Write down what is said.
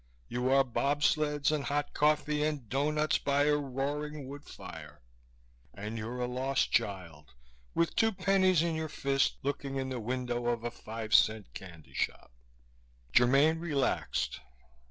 You are bobsleds and hot coffee and dough nuts by a roaring wood fire. And you're a lost child, with two pennies in your fist, looking in the window of a five cent candy shop." Germaine relaxed.